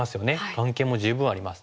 眼形も十分あります。